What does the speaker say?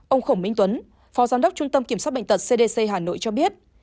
ông khổng minh tuấn phó giám đốc trung tâm kiểm soát bệnh tật cdc hà nội cho biết